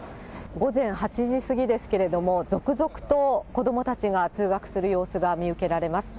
午前８時過ぎですけれども、続々と子どもたちが通学する様子が見受けられます。